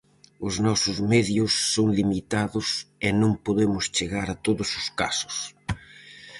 Os nosos medios son limitados e non podemos chegar a todos os casos.